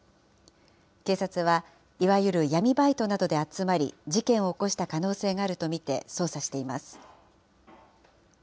警察はいわゆる闇バイトなどで集まり、事件を起こした可能性があると見て捜査しています。